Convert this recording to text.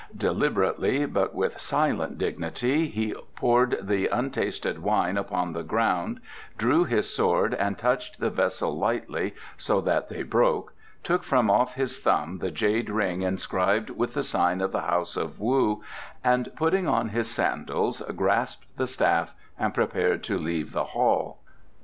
Deliberately but with silent dignity he poured the untasted wine upon the ground, drew his sword and touched the vessels lightly so that they broke, took from off his thumb the jade ring inscribed with the sign of the House of Wu, and putting on the sandals grasped the staff and prepared to leave the hall.